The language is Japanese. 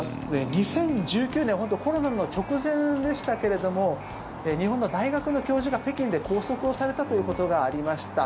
２０１９年、本当にコロナの直前でしたけれども日本の大学の教授が北京で拘束をされたということがありました。